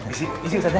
isi isi ustadz ya